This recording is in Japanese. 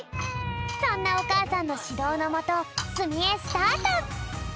そんなおかあさんのしどうのもとすみえスタート！